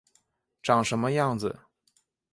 长什么样子